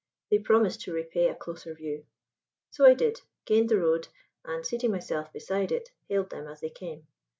They promised to repay a closer view. So I did; gained the road, and, seating myself beside it, hailed them as they came.